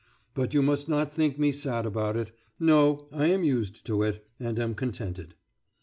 But you must not think me sad about it. No; I am used to it, and am contented.